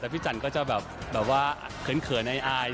แต่พี่จันทร์ก็จะแบบเขินเขินอาย